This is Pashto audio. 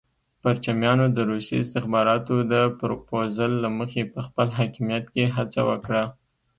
پرچمیانو د روسي استخباراتو د پرپوزل له مخې په خپل حاکمیت کې هڅه وکړه.